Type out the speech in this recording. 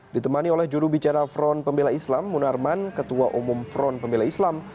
ditemani oleh jurubicara front pembela islam munarman ketua umum front pembela islam